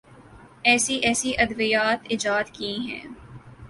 ایسی ایسی ادویات ایجاد کی ہیں۔